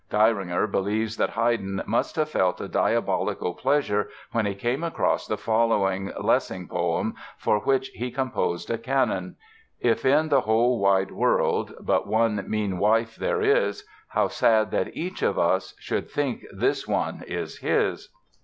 Geiringer believes that Haydn "must have felt a diabolical pleasure when he came across the following Lessing poem for which he composed a canon: _If in the whole wide world But one mean wife there is, How sad that each of us Should think this one is his!